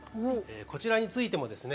こちらについてもですね